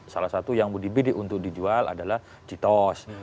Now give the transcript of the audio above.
salah satu yang mudibidik untuk dijual adalah citos